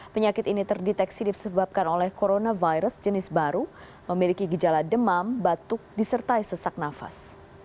penyakit ini terdeteksi disebabkan oleh coronavirus jenis baru memiliki gejala demam batuk disertai sesak nafas